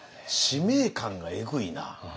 使命感がえぐいな。